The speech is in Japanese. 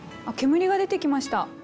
あ煙が出てきました。